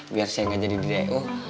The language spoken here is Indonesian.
biar saya gak jadi di d u